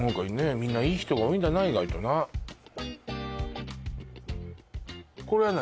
みんないい人が多いんだな意外となこれは何？